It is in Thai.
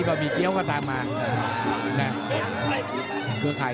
ใหญ่โตมากนะ